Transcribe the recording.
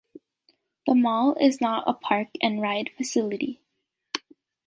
The mall is not a park and ride facility.